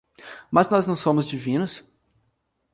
Mas nós não somos divinos?